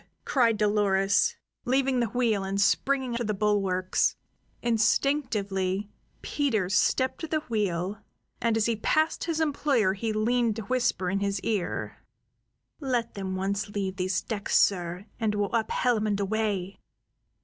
cried Dolores, leaving the wheel and springing to the bulwarks. Instinctively Peters stepped to the wheel, and as he passed his employer he leaned to whisper in his ear: "Let them once leave these decks, sir, and we'll up hellum and away!"